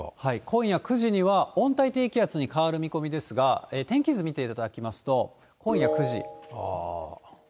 今夜９時には、温帯低気圧に変わる見込みですが、天気図見ていただきますと、今夜９時。